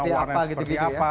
warna seperti apa gitu ya